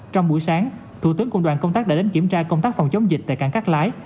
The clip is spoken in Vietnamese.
trong buổi sáng thủ tướng cùng đoàn công tác đã đến kiểm tra công tác phòng chống dịch tại cảng cát lái